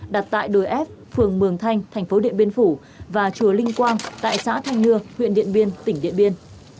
đặt tại đồi ép phường mường thanh thành phố điện biên phủ và chùa linh quang tại xã thanh nưa huyện điện biên tỉnh điện biên